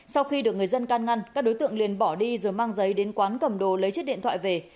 sau khi được người dân can ngăn các đối tượng liền bỏ đi rồi mang giấy đến quán cầm đồ lấy chiếc điện thoại về